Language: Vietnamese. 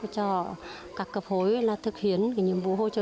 cho các cập hối thực hiện nhiệm vụ hỗ trợ phụ nữ phát triển